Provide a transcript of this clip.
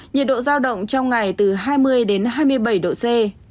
nhiệt độ giao động trong ngày từ hai mươi đến hai mươi bảy độ c